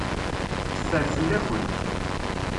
Teffer fell-akent.